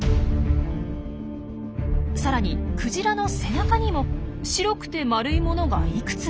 さらにクジラの背中にも白くて丸いものがいくつも。